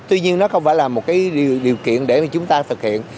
tuy nhiên nó không phải là một cái điều kiện để mà chúng ta thực hiện